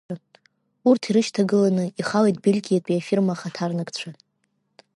Урҭ ирышьҭагыланы, ихалеит Бельгиатәи афирма ахаҭарнакцәа.